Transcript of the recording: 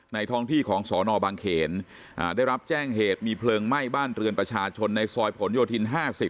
ท้องที่ของสนบางเขนได้รับแจ้งเหตุมีเพลิงไหม้บ้านเรือนประชาชนในซอยผลโยธิน๕๐